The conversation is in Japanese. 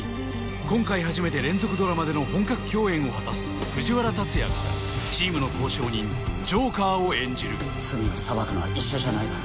今回初めて連続ドラマでの本格共演を果たす藤原竜也がチームの交渉人ジョーカーを演じる罪を裁くのは医者じゃないだろ